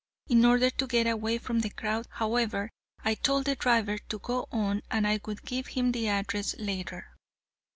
In order to get away from the crowd, however, I told the driver to go on and I would give him the address later.